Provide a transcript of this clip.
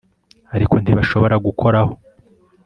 Ariko ntibashobora gukoraho